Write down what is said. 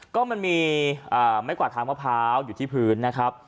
ก็มันมีไม้กวาดทางมะพร้าวอยู่ที่พื้นนะครับ